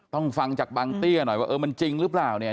ฟังจากบางเตี้ยหน่อยว่าเออมันจริงหรือเปล่าเนี่ย